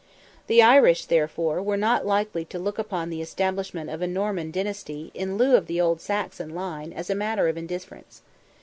The Irish, therefore, were not likely to look upon the establishment of a Norman dynasty, in lieu of the old Saxon line, as a matter of indifference.